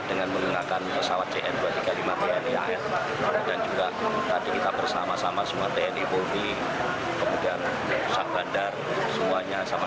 dengan mengenggakkan pesawat cn dua ratus tiga puluh lima tn eas dan juga tadi kita bersama sama semua tni pov kemudian pusat bandar semuanya